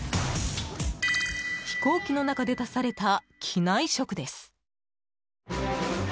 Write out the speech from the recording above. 飛行機の中で出された機内食です。